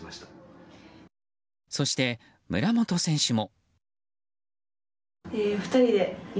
そして、村元選手も。